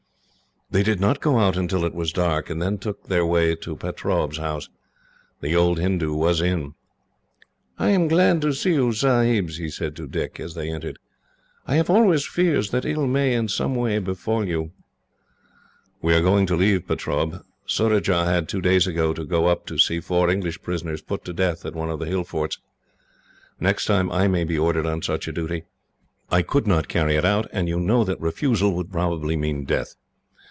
They did not go out until it was dark, and then took their way to Pertaub's house. The old Hindoo was in. "I am glad to see you, Sahibs," he said to Dick, as they entered. "I have always fears that ill may, in some way, befall you." "We are going to leave, Pertaub. Surajah had, two days ago, to go up to see four English prisoners put to death at one of the hill forts. Next time I may be ordered on such a duty. I could not carry it out, and you know that refusal would probably mean death.